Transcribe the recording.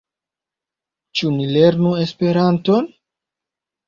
Ĉu ni lernu Esperanton?